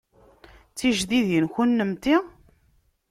D tijdidin kunemti?